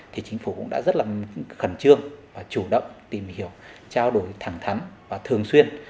thì chính phủ cũng đã rất là khẩn trương và chủ động tìm hiểu trao đổi thẳng thắn và thường xuyên